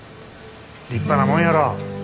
立派なもんやろ？